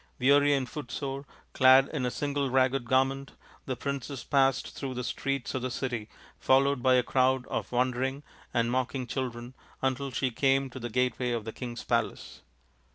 Weary and footsore, clad in a single ragged garment, the princess passed through the streets of the city followed by a crowd of wondering and mocking children, until she came to the gateway of the king's palace.